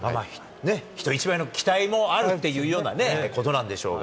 人一倍の期待もあるしっていうようなことなんでしょうが。